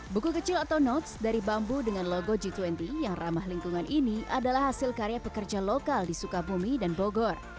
buku kecil atau notes dari bambu dengan logo g dua puluh yang ramah lingkungan ini adalah hasil karya pekerja lokal di sukabumi dan bogor